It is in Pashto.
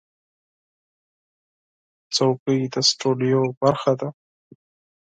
چوکۍ د سټوډیو برخه ده.